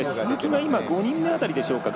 ５人目辺りでしょうか。